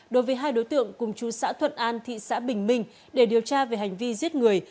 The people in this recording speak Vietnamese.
đối với hai đối tượng cùng chú xã thuận an thị xã bình minh để điều tra về hành vi giết người